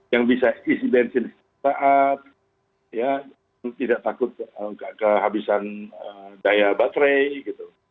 yang bisa isi bensin saat tidak takut kehabisan daya baterai gitu